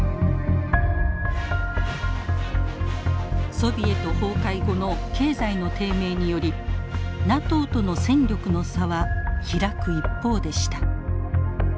ソビエト崩壊後の経済の低迷によりＮＡＴＯとの戦力の差は開く一方でした。